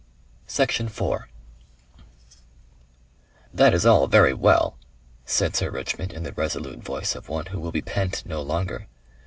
Section 4 "That is all very well," said Sir Richmond in the resolute voice of one who will be pent no longer.